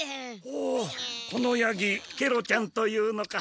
ほうこのヤギケロちゃんというのか。